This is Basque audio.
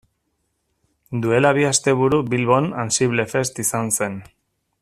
Duela bi asteburu Bilbon AnsibleFest izan zen.